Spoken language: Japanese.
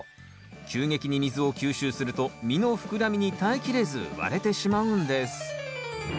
急激に水を吸収すると実の膨らみに耐えきれず割れてしまうんです。